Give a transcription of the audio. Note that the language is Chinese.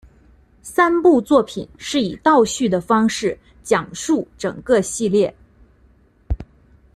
三部作品是以倒叙的方式讲述整个系列。